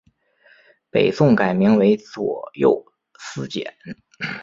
北宋改名为左右司谏。